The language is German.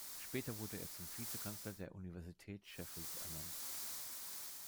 Später wurde er zum Vizekanzler der Universität Sheffield ernannt.